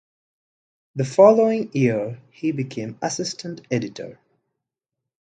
The following year he became Assistant Editor.